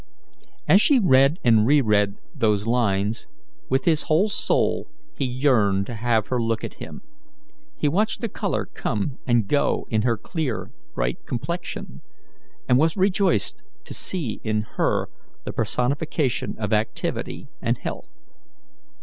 As she read and reread those lines, with his whole soul he yearned to have her look at him. He watched the colour come and go in her clear, bright complexion, and was rejoiced to see in her the personification of activity and health.